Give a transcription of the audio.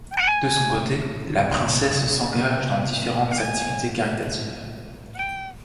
De son côté, la princesse s'engage dans différentes activités caritatives.